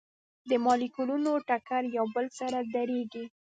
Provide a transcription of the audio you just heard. د مالیکولونو ټکر یو بل سره ډیریږي.